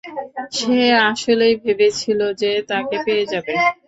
সে আসলেই ভেবেছিল যে তাকে পেয়ে যাবে।